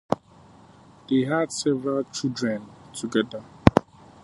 They had several children together.